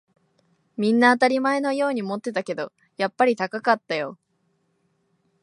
みんな当たり前のように持ってたけど、やっぱり高かったよ